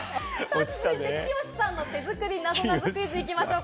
続いて、「きよしさんの手作りなぞなぞクイズ」行きましょう。